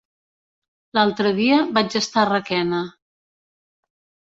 L'altre dia vaig estar a Requena.